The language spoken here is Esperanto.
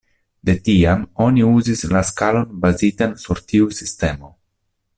De tiam oni uzis la skalon bazitan sur tiu sistemo.